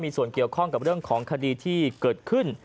ส่วนเกี่ยวข้องกับเรื่องของคดีที่เกิดขึ้น